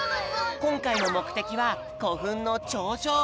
こんかいのもくてきはこふんのちょうじょう。